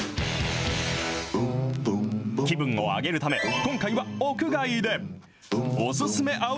気分を上げるため、今回は屋外で。